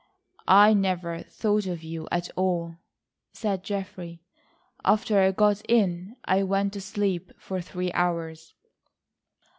"I never thought of you at all," said Geoffrey. "After I got in I went to sleep for three hours."